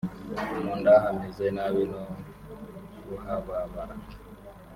mu nda hameze nabi no kuhababara